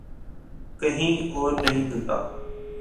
کہیں اور نہیں ملتا۔